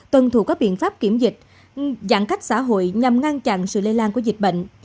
tuân thủ các biện pháp kiểm dịch giãn cách xã hội nhằm ngăn chặn sự lây lan của dịch bệnh